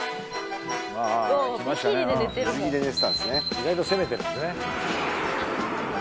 意外と攻めてるんですね